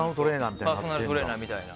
パーソナルトレーナーみたいな。